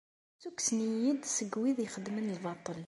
Ssukkes-iyi-d seg wid ixeddmen lbaṭel.